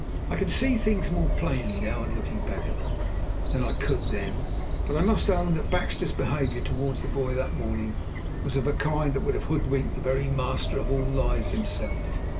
I can see things more plainly now, on looking back at them, than I could then, but I must own that Baxter's behaviour towards the boy that morning was of a kind that would have hoodwinked the very Master of All Lies himself.